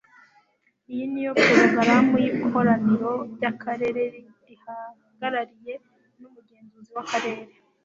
Iyi ni porogaramu y'ikoraniro ry'akarere rihagarariwe n'umugenzuzi w'akarere.